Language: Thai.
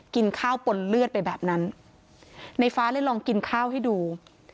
กินข้าวปนเลือดไปแบบนั้นในฟ้าเลยลองกินข้าวให้ดู